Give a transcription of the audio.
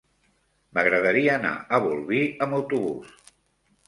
M'agradaria anar a Bolvir amb autobús.